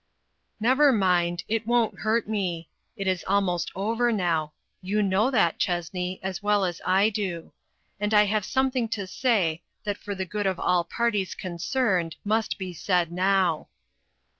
"Never mind, it won't hurt me. It is almost over now ; you know that, Chessney, as well as I do. And I have something to say, that for the good of all parties con cerned, must be said now.